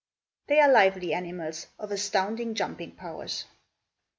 They are lively animals of astounding jumping powers.